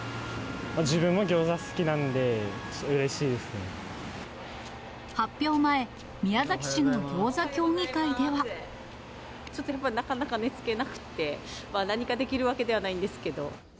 自分もギョーザ好きなんで、発表前、ちょっとやっぱり、なかなか寝つけなくて、何かできるわけではないんですけど。